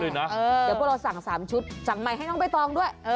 เดี๋ยวพวกเราสั่ง๓ชุดสั่งใหม่ให้น้องใบตองด้วย